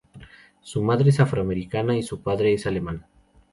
Su madre es afroamericana y su padre es alemán.